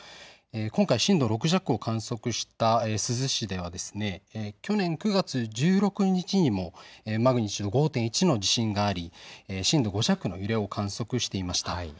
今回、震度６弱を観測した珠洲市では去年９月１６日にもマグニチュード５．１の地震があり震度５弱の揺れを観測していました。